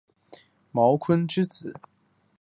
茅坤之子。